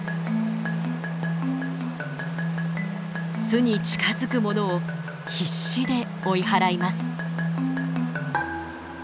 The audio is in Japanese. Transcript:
巣に近づくものを必死で追い払います。